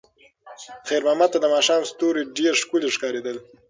خیر محمد ته د ماښام ستوري ډېر ښکلي ښکارېدل.